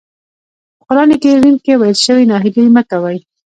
په قرآن کريم کې ويل شوي ناهيلي مه کوئ.